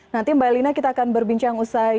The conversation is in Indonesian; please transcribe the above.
nanti mbak elina kita akan berbincang usai